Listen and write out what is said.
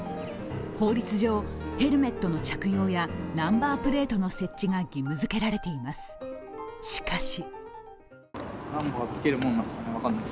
法律上、ヘルメットの着用やナンバープレートの設置が義務づけられています。